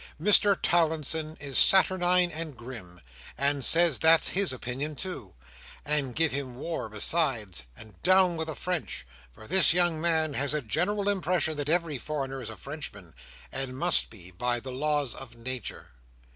Mr Towlinson is saturnine and grim, and says that's his opinion too, and give him War besides, and down with the French—for this young man has a general impression that every foreigner is a Frenchman, and must be by the laws of nature.